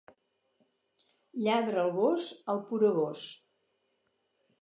Lladra el gos al poregós.